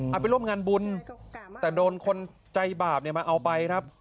ไปร่วมงานบุญแต่โดนคนใจบาปเนี่ยมาเอาไปครับ